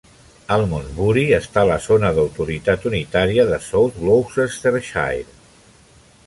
Almondsbury està a la zona d'autoritat unitària de South Gloucestershire.